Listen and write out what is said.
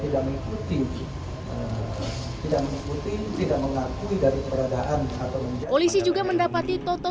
tidak mengikuti tidak mengikuti tidak mengakui dari peradaan atau polisi juga mendapati toto